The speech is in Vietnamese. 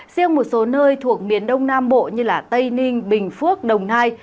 riêng một số nơi thuộc miền đông nam bộ như tây ninh bình phước đồng nai